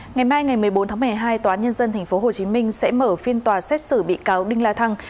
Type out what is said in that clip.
ngày mai ngày một mươi bốn tháng một mươi hai tòa án nhân dân tp hcm sẽ mở phiên tòa xét xử bị cáo đinh la thăng